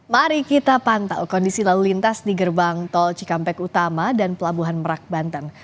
mari kita pantau kondisi lalu lintas di gerbang tol cikampek utama dan pelabuhan merak banten